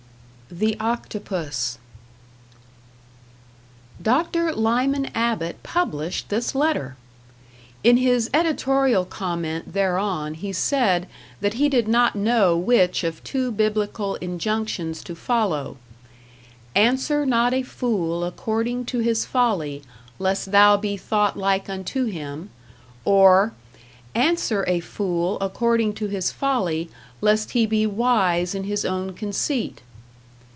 #The Octopus# Dr. Lyman Abbott published this letter! In his editorial comment thereon he said that he did not know which of two biblical injunctions to follow: "Answer not a fool according to his folly, lest thou be thought like unto him"; or "Answer a fool according to his folly, lest he be wise in his own conceit".